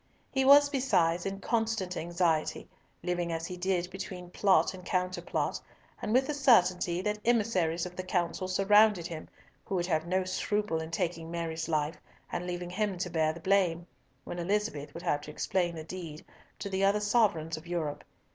He was, besides, in constant anxiety, living as he did between plot and counterplot, and with the certainty that emissaries of the Council surrounded him who would have no scruple in taking Mary's life, and leaving him to bear the blame, when Elizabeth would have to explain the deed to the other sovereigns of Europe.